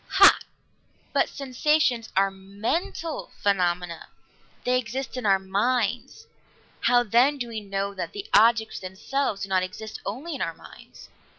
"Hah! But sensations are mental phenomena. They exist in our minds. How, then, do we know that the objects themselves do not exist only in our minds?"